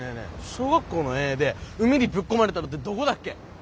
小学校の遠泳で海にぶっ込まれたのってどこだっけ？